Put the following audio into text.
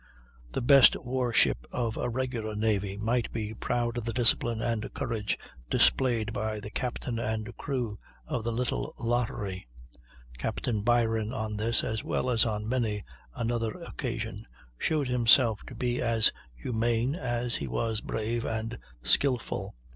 The best war ship of a regular navy might be proud of the discipline and courage displayed by the captain and crew of the little Lottery. Captain Byron on this, as well as on many another occasion, showed himself to be as humane as he was brave and skilful.